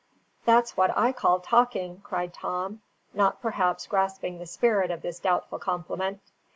"That's what I call talking," cried Tom, not perhaps grasping the spirit of this doubtful compliment.